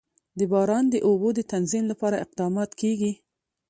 د باران د اوبو د تنظیم لپاره اقدامات کېږي.